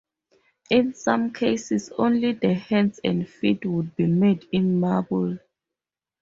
In some cases, only the hands and feet would be made in marble.